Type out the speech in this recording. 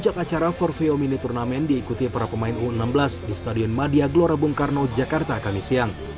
pemain u enam belas di stadion madia glorabungkarno jakarta kami siang